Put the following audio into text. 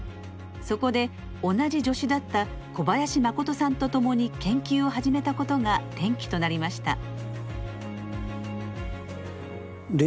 そこで同じ助手だった小林誠さんと共に研究を始めたことが転機となりました。